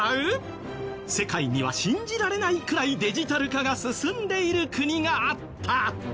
世界には信じられないくらいデジタル化が進んでいる国があった！